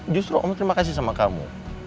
justru om terima kasih sama kamu